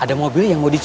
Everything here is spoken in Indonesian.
ada mobil yang mau dicuci